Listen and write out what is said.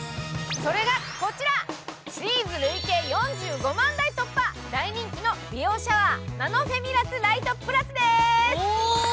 それがこちら、シリーズ累計４５万台突破大人気の美容シャワー、ナノフェミラス・ライトプラスです。